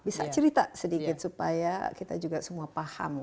bisa cerita sedikit supaya kita juga semua paham kenapa kita harus excited